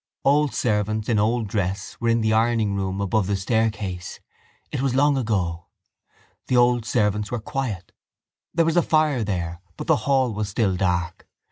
Old servants in old dress were in the ironingroom above the staircase. It was long ago. The old servants were quiet. There was a fire there but the hall was still dark.